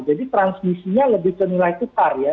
jadi transmisinya lebih ke nilai tukar ya